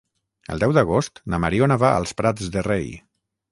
El deu d'agost na Mariona va als Prats de Rei.